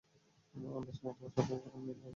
আন্দাজ মতো সব উপকরণ নিলেই হবে।